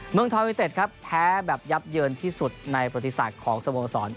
เมืองทองยูเต็ดครับแพ้แบบยับเยินที่สุดในประติศาสตร์ของสโมสร